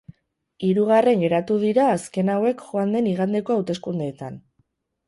Hirugarren geratu dira azken hauek joan den igandeko hauteskundeetan.